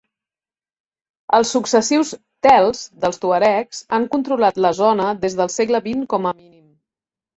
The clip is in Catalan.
Els successius "Tel"s dels tuaregs han controlat la zona des del segle XX, com a mínim.